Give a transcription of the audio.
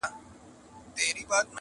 زه په مین سړي پوهېږم-